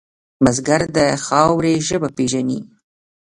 بزګر د خاورې ژبه پېژني